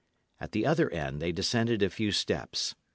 At the other end, they descended a few steps.